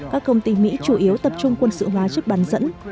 các công ty mỹ chủ yếu tập trung quân sự hóa chất bán dẫn